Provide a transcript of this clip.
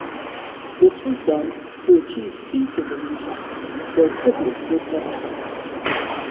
This was done to achieve peace in the region, though tribute was never sent.